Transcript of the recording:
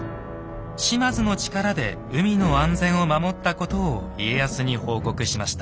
島津の力で海の安全を守ったことを家康に報告しました。